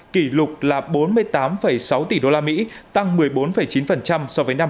kỷ lục là bốn mươi tám sáu tỷ đô la mỹ tăng một mươi bốn chín so với năm hai nghìn hai mươi